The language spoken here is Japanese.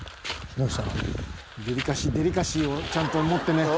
「もしかして」「デリカシーデリカシーをちゃんと持ってね」